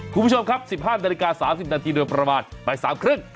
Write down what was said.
คุณผู้ชมครับ๑๕ธนาฬิกา๓๐นาทีโดยประมาณไปสามครึ่ง